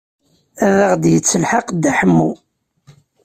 Ad aɣ-d-yettelḥaq Dda Ḥemmu.